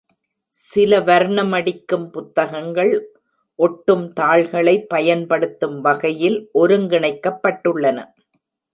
சில வர்ணமடிக்கும் புத்தகங்கள் ஒட்டும் தாள்களை பயன்படுத்தும் வகையில் ஒருங்கிணைக்கப்பட்டுள்ளன.